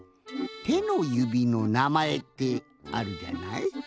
ての指のなまえってあるじゃない？